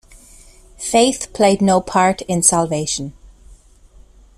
Faith played no part in salvation.